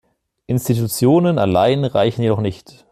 Institutionen allein reichen jedoch nicht.